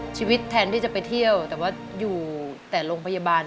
แทนที่จะไปเที่ยวแต่ว่าอยู่แต่โรงพยาบาล